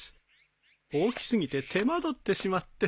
大き過ぎて手間取ってしまって。